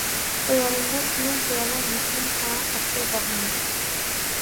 خىيالىمدا سېنىڭ خىيالىڭ، مېھرىم ساڭا قاپتۇ باغلىنىپ.